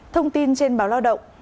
thông tin trên báo lao động